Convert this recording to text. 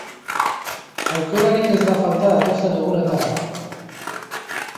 Aukerarik ez da falta datozen egunetarako!